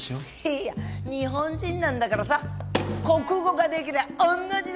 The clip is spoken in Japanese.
いや日本人なんだからさ国語ができりゃ御の字だよ。